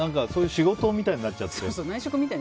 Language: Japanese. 内職みたいになっちゃって。